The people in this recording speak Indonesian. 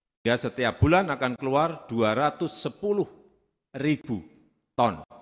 sehingga setiap bulan akan keluar dua ratus sepuluh ribu ton